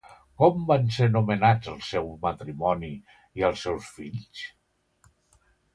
Com van ser nomenats el seu matrimoni i els seus fills?